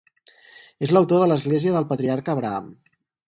És l'autor de l'església del Patriarca Abraham.